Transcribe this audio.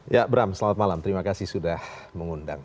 ya bram selamat malam terima kasih sudah mengundang